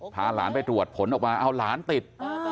พาหลานไปตรวจผลออกมาติด